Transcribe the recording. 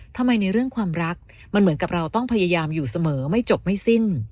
ในเรื่องความรักมันเหมือนกับเราต้องพยายามอยู่เสมอไม่จบไม่สิ้น